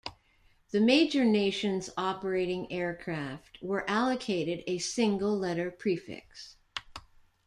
The major nations operating aircraft were allocated a single letter prefix.